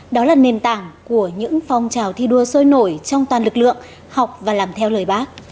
đó là nền tảng của những phong trào thi đua sôi nổi trong toàn lực lượng học và làm theo lời bác